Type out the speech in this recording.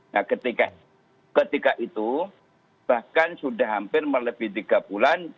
nah ketika itu bahkan sudah hampir melebih tiga bulan